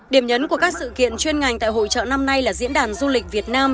điểm nhấn của các sự kiện chuyên ngành tại hội trợ năm nay là diễn đàn du lịch việt nam